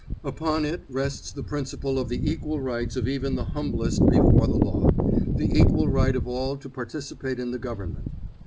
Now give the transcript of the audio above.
Upon it rests the principle of the equal rights of even the humblest before the law, the equal right of all to participate in the government.